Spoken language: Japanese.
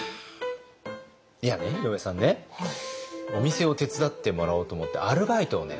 いやね井上さんねお店を手伝ってもらおうと思ってアルバイトをね